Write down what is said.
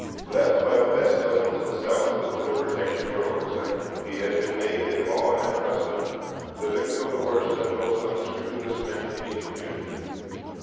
Left by the best elements of the South with little protection or oversight, he has been made in law and custom the victim of the worst and most unscrupulous men in each community.